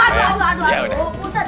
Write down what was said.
aduh aduh aduh